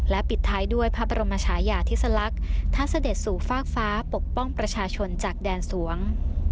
ปิดท้ายด้วยพระบรมชายาธิสลักษณ์ท่านเสด็จสู่ฟากฟ้าปกป้องประชาชนจากแดนสวง